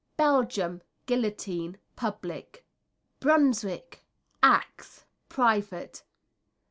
Belgium Guillotine, public. Brunswick Axe, private.